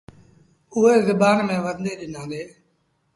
اُئي زبآن ميݩ ورنديٚ ڏنآندي۔